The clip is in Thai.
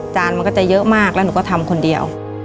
จานมันก็จะเยอะมากแล้วหนูก็ทำคนเดียว